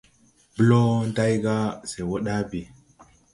Blo day ga se wo ɗaa bii.